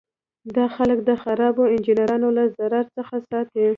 دا خلک د خرابو انجینرانو له ضرر څخه ساتي.